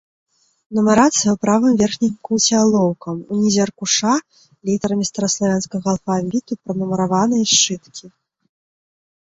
Нумарацыя ў правым верхнім куце алоўкам, ўнізе аркуша літарамі стараславянскага алфавіту пранумараваныя сшыткі.